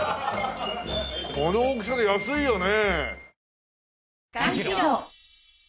この大きさで安いよね。